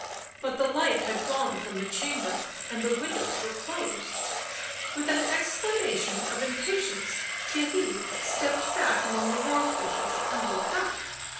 But the light had gone from the chamber, and the windows were closed. With an exclamation of impatience Theirry stepped back among the rose bushes and looked up.